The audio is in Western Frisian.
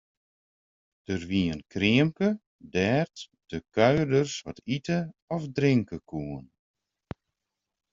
Der wie in kreamke dêr't de kuierders wat ite of drinke koene.